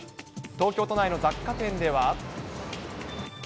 東京都内の雑貨店では。